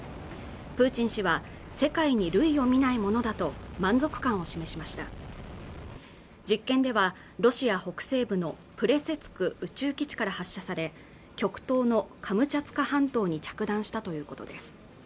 プーチン氏は世界に類を見ないものだと満足感を示しました実験ではロシア北西部のプレセツク宇宙基地から発射され極東のカムチャツカ半島に着弾したということです